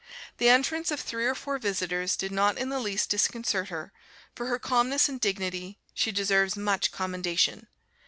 The entrance of three or four visitors did not in the least disconcert her; for her calmness and dignity, she deserves much commendation.